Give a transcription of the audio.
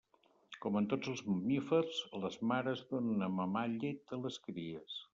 Com en tots els mamífers, les mares donen a mamar llet a les cries.